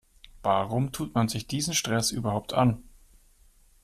Warum tut man sich diesen Stress überhaupt an?